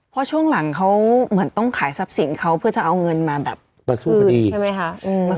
เพราะช่วงหลังเขาเหมือนต้องขายทรัพย์สินเขาเพื่อจะเอาเงินมาแบบคืนใช่ไหมคะ